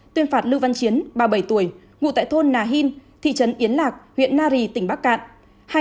tuyên phạt lưu văn chiến ba mươi bảy tuổi ngụ tại thôn nà hìn thị trấn yến lạc huyện nari tỉnh bắc cạn